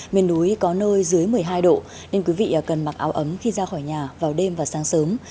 miền núi có nơi dưới một mươi hai độ nên quý vị cần mặc áo ấm khi ra khỏi nhà vào đêm và sáng sớm